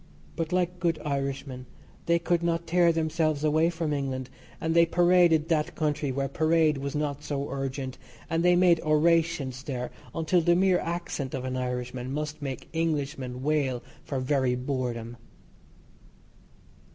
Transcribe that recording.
But, like good Irishmen, they could not tear themselves away from England, and they paraded that country where parade was not so urgent, and they made orations there until the mere accent of an Irishman must make Englishmen wail for very boredom.